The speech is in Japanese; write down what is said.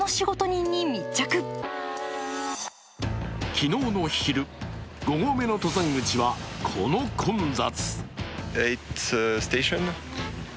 昨日の昼、５合目の登山口はこの混雑。